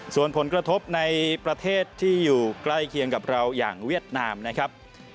ส่วนผลกระทบในประเทศที่อยู่ใกล้เคียงกับเราอย่างเวียดนามนะครับ